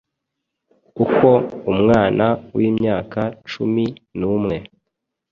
Uko umwana w’imyaka cumi numwe